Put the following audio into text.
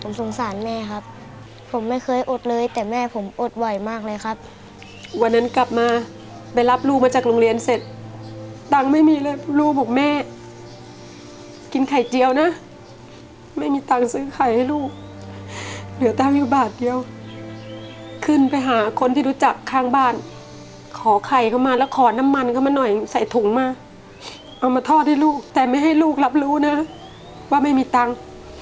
ผมสงสารแม่ครับผมไม่เคยอดเลยแต่แม่ผมอดไหวมากเลยครับวันนั้นกลับมาไปรับลูกมาจากโรงเรียนเสร็จตังค์ไม่มีเลยลูกบอกแม่กินไข่เจียวนะไม่มีตังค์ซื้อไข่ให้ลูกเหลือตังค์อยู่บาทเดียวขึ้นไปหาคนที่รู้จักข้างบ้านขอไข่เข้ามาแล้วขอน้ำมันเข้ามาหน่อยใส่ถุงมาเอามาทอดให้ลูกแต่ไม่ให้ลูกรับรู้นะว่าไม่มีตังค์